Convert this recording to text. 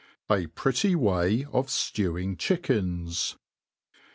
* A prttty wayrfjlewing Chickens.